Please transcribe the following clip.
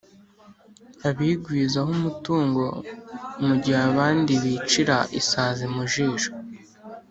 abigwizaho umutungo, mu gihe abandi bicira isazi mu jisho.